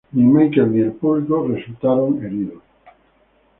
Michael, ni el público resultó herido.